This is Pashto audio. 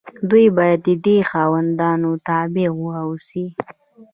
دوی باید د دې خاوندانو تابع واوسي.